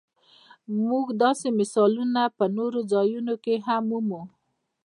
موږ داسې مثالونه په نورو ځایونو کې هم مومو.